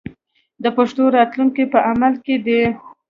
د پښتو راتلونکی په عمل کې دی.